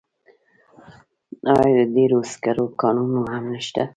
آیا د ډبرو سکرو کانونه هم نشته؟